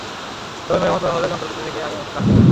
তবে মেরামত করা হলেও যন্ত্র দুটি থেকে আগের মতো কাজ করবে না।